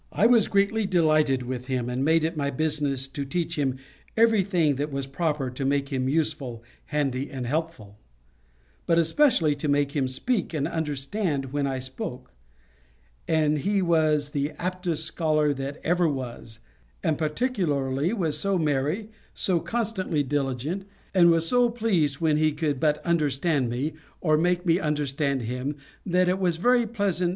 I was greatly delighted with him, and made it my business to teach him everything that was proper to make him useful, handy, and helpful; but especially to make him speak, and understand me when I spoke; and he was the aptest scholar that ever was; and particularly was so merry, so constantly diligent, and so pleased when he could but understand me, or make me understand him, that it was very pleasant to me to talk to him.